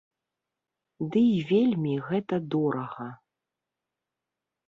Ды і вельмі гэта дорага.